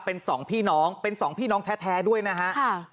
เป็นสองพี่น้องเป็นสองพี่น้องแท้ด้วยนะฮะ